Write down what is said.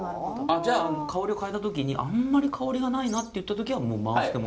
じゃあ香りを嗅いだ時にあんまり香りがないなっていった時はもう回しても。